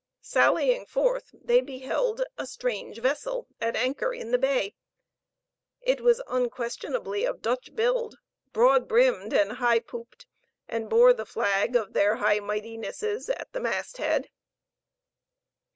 Sallying forth, they beheld a strange vessel at anchor in the bay; it was unquestionably of Dutch build, broad brimmed and high pooped, and bore the flag of their High Mightinesses at the masthead.